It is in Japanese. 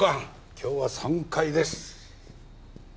今日は散会です